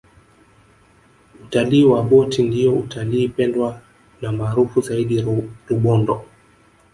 utalii wa boti ndiyo utalii pendwa na maarufu zaidi rubondo